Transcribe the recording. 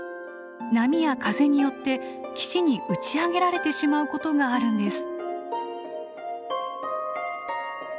波や風によって岸に打ち上げられてしまうことがあるんです。